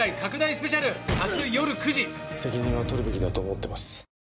「責任は取るべきだと思ってます」